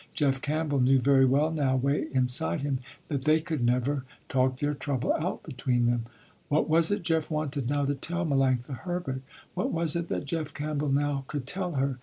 Jeff Campbell knew very well now, way inside him, that they could never talk their trouble out between them. What was it Jeff wanted now to tell Melanctha Herbert? What was it that Jeff Campbell now could tell her?